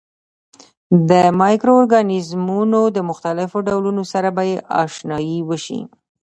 د مایکرو ارګانیزمونو د مختلفو ډولونو سره به آشنايي وشي.